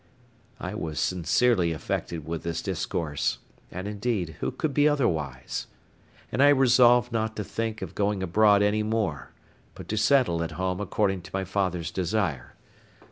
I was sincerely affected with this discourse, and, indeed, who could be otherwise? and I resolved not to think of going abroad any more, but to settle at home according to my father's desire.